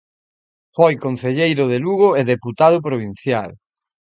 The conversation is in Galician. Foi concelleiro de Lugo e deputado provincial.